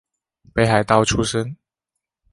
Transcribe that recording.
北海道出身。